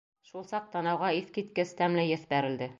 Шул саҡ танауға иҫ киткес тәмле еҫ бәрелде.